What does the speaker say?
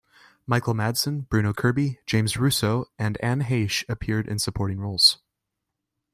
Michael Madsen, Bruno Kirby, James Russo, and Anne Heche appeared in supporting roles.